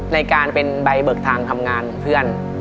ในการเป็นใบบรึกทางทำงานเป็นเพื่อน